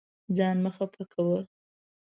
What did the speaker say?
ځان مه خفه کوه.